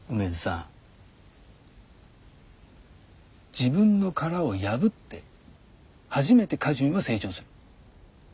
自分の殻を破って初めて歌人は成長する。